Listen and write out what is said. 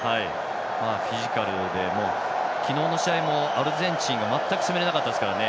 フィジカルで昨日の試合もアルゼンチンが全く攻めれなかったですからね。